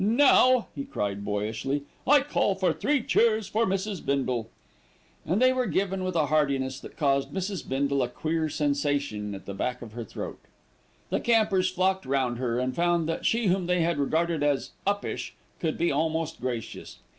Now," he cried boyishly, "I call for three cheers for Mrs. Bindle." And they were given with a heartiness that caused Mrs. Bindle a queer sensation at the back of her throat. The campers flocked round her and found that she whom they had regarded as "uppish," could be almost gracious.